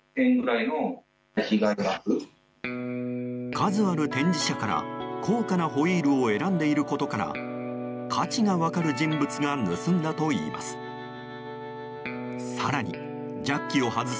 数ある展示車から高価なホイールを選んでいることから価値が分かる人物が盗んだといいます。